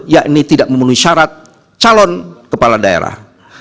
yakni tidak memenuhi syarat calon kepala daerah